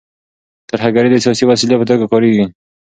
ترهګري د سیاسي وسیلې په توګه کارېږي.